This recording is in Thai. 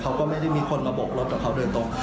เขาก็ไม่ได้มีคนมาโบกรถกับเขาโดยตรง